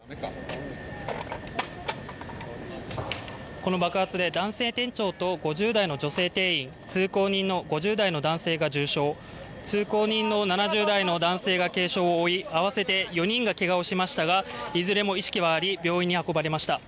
この爆発で男性店長と５０代の女性店員、通行人の５０代の男性が重傷、通行人の７０代の男性が軽傷を負い合わせて４人がけがをしましたが、いずれも意識はあり、病院に運ばれました。